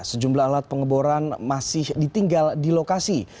sejumlah alat pengeboran masih ditinggal di lokasi